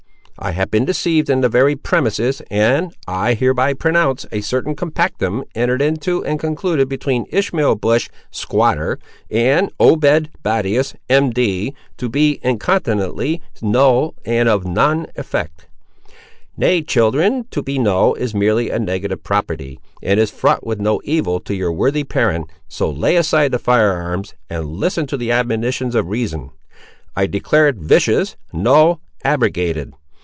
I have been deceived in the very premises, and, I hereby pronounce, a certain compactum, entered into and concluded between Ishmael Bush, squatter, and Obed Battius, M.D., to be incontinently null and of non effect. Nay, children, to be null is merely a negative property, and is fraught with no evil to your worthy parent; so lay aside the fire arms, and listen to the admonitions of reason. I declare it vicious—null—abrogated.